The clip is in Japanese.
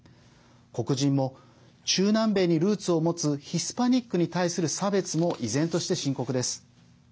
黒人も、中南米にルーツを持つヒスパニックに対する差別も依然として深刻です。